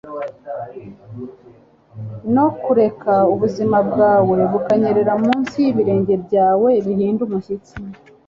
no kureka ubuzima bwawe bukanyerera munsi y'ibirenge byawe bihinda umushyitsi